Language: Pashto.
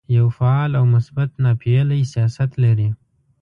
یو فعال او مثبت ناپېیلی سیاست لري.